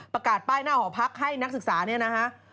ประกาศป้ายหน้าหอพักให้นักศึกษาเนี่ยนะฮะ